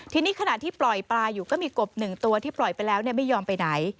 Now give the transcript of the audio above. ทีนี้ขณะที่ปล่อยปลาอยู่ก็มีกบหนึ่งตัวที่ปล่อยไปแล้วไม่ยอมไปไหน